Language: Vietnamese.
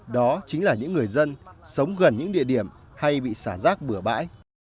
đó chính là những người dân sống gần những địa điểm hay bị xả rác bừa bãi